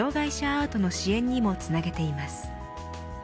アートの支援にもつなげています。